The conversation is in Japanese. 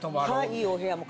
いいお部屋も。